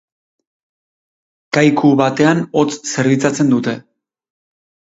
Kaiku batean hotz zerbitzatzen dute.